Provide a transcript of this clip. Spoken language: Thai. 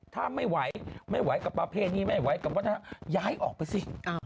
ถ้าไม่ไหวกับประเพณีนี้ไม่ไหวก็ย้ายออกไปสิ